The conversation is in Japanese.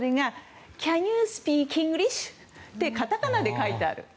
キャニュウスピーキングリッシュカタカナで書いてある。